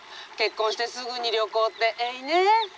結婚してすぐに旅行ってえいね」。